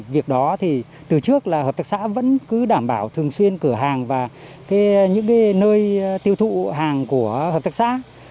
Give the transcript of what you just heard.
việc đó thì từ trước là hợp tác xã vẫn cứ đảm bảo thường xuyên cửa hàng và những nơi tiêu thụ hàng của hợp tác xã